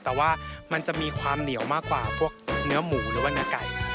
แต่ว่ามันจะมีความเหนียวมากกว่าพวกเนื้อหมูหรือว่าเนื้อไก่